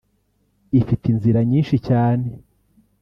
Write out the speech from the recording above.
ifite inzira nyishi cyane